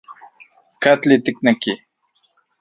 ¿Katli tikneki?